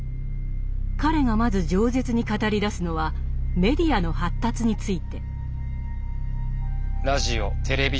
彼がまず饒舌に語りだすのはメディアの発達について。